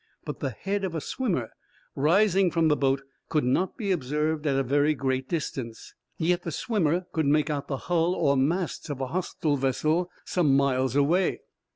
But the head of a swimmer rising from the boat could not be observed at any very great distance. Yet the swimmer could make out the hull or masts of a hostile vessel some miles away.